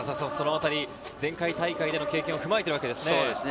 前回大会での経験を踏まえているわけですね。